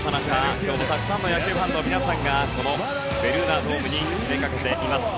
今日もたくさんの野球ファンの皆さんがこのベルーナドームに詰めかけています。